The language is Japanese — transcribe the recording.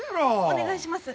お願いします！